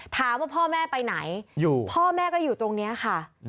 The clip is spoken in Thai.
ถามว่าพ่อแม่ไปไหนพ่อแม่ก็อยู่ตรงนี้ค่ะ